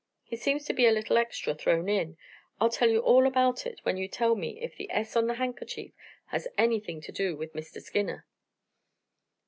"He seems to be a little extra thrown in. I'll tell you all about it when you tell me if the 'S' on the handkerchief has anything to do with Mr. Skinner."